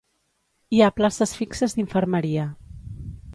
Hi ha places fixes d'infermeria